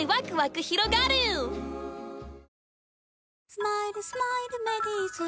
「スマイルスマイルメリーズ」